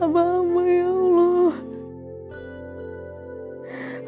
abah takut ya allah